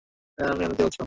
আমি এমনিতেই বলছিলাম।